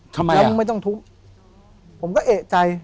ทำไมแล้วมึงไม่ต้องทุบผมก็เอกใจ